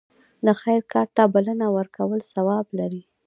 د خیر کار ته بلنه ورکول ثواب لري.